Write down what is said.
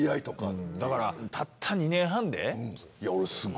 だから、たった２年半で。